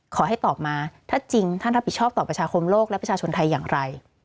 ขอให้ตอบมาถ้าจริงท่านรับผิดชอบต่อประชาคมโลกและประชาชนไทยอย่างไร